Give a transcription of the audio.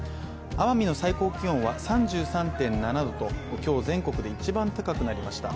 奄美の最高気温は３３．７度と今日全国で一番高くなりました。